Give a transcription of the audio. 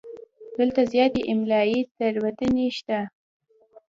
دلته زیاتې املایي تېروتنې شته.